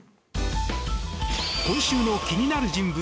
今週の気になる人物